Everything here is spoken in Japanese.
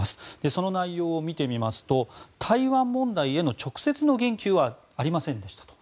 その内容を見てみますと台湾問題への直接の言及はありませんでしたと。